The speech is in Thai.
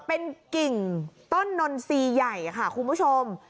เป็นกิ่งต้นนนทรีย์ใหญ่ค่ะคุณผู้ชม